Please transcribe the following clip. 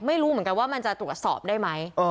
ไม่รู้เหมือนกันว่ามันจะตรวจสอบได้ไหม